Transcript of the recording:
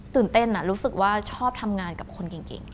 ตื่นเต้นรู้สึกว่าชอบทำงานกับคนจริง